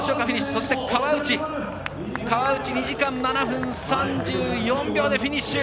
そして、川内２時間７分３４秒でフィニッシュ。